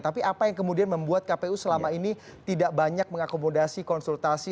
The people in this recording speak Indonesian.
tapi apa yang kemudian membuat kpu selama ini tidak banyak mengakomodasi konsultasi